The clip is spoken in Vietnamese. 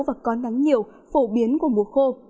và có nắng nhiều phổ biến của mùa khô